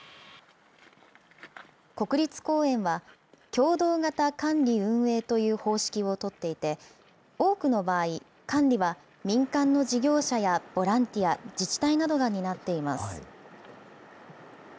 国立公園は、協働型管理運営という方式を取っていて、多くの場合、管理は民間の事業者やボランティア、自治体などが担っています。